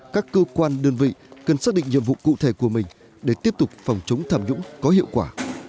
các cơ quan đơn vị cần xác định nhiệm vụ cụ thể của mình để tiếp tục phòng chống tham nhũng có hiệu quả